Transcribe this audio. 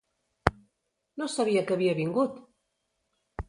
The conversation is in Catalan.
No sabia que havia vingut!